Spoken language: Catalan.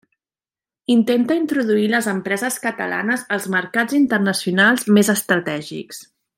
Intenta introduir les empreses catalanes als mercats internacionals més estratègics.